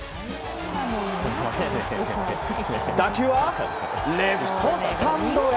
打球はレフトスタンドへ。